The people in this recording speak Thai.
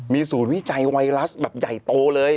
มีศูนย์วิจัยไวรัสแบบใหญ่โตเลย